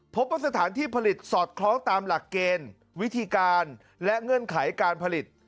พบว่าสถานที่ผลิตสอดคล้องตามหลักเกณฑ์วิธีการและเงื่อนไขการผลิต